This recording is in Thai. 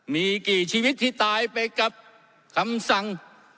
มีกี่ชีวิตที่ตายไปกับคำสั่ง